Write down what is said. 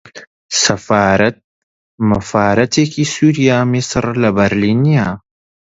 سەفارەت مەفارەتێکی سووریا، میسر لە برلین نییە